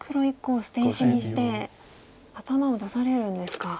黒１個を捨て石にして頭を出されるんですか。